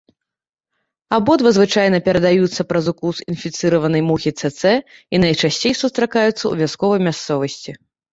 Абодва звычайна перадаюцца праз укус інфіцыраванай мухі цэцэ і найчасцей сустракаюцца ў вясковай мясцовасці.